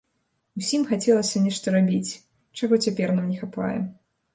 Усім хацелася нешта рабіць, чаго цяпер нам не хапае.